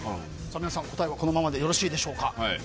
皆さん答えはこのままでよろしいでしょうか。